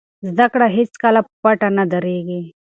زده کړه هېڅکله په ټپه نه دریږي.